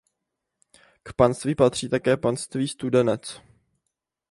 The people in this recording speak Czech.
K panství patří také panství Studenec.